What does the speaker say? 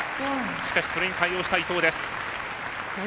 しかし、それに対応した伊藤です。